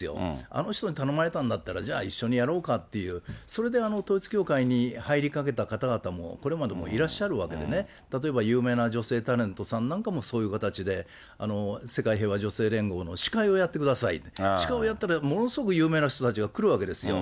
あの人に頼まれたんだったら、じゃあ一緒にやろうかっていう、それで統一教会に入りかけた方々も、これまでもいらっしゃるわけでね、例えば有名な女性タレントさんなんかも、そういう形で世界平和女性連合の司会をやってください、司会をやったらものすごく有名な人たちが来るわけですよ。